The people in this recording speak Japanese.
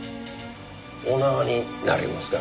お縄になりますからね。